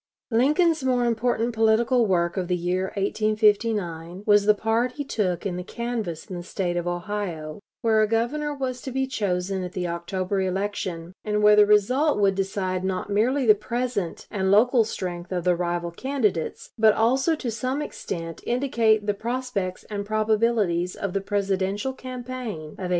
Lincoln's more important political work of the year 1859 was the part he took in the canvass in the State of Ohio, where a governor was to be chosen at the October election, and where the result would decide not merely the present and local strength of the rival candidates, but also to some extent indicate the prospects and probabilities of the Presidential campaign of 1860.